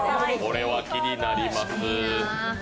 これは気になります。